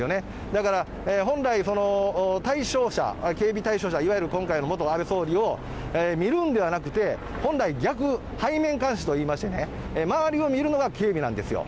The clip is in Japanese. だから、本来、対象者、警備対象者、いわゆる今回の元安倍総理を見るんではなくて、本来、逆、背面監視といいましてね、周りを見るのが警備なんですよ。